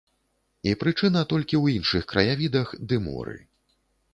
І прычына толькі ў іншых краявідах ды моры.